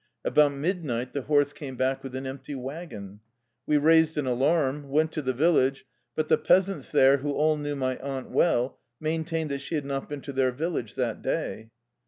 About midnight the horse came back with an empty wagon. We raised an alarm, went to the village, but the peasants there who all knew my aunt well, maintained that she had not been to their village that day.